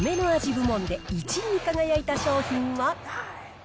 部門で１位に輝いた商品は。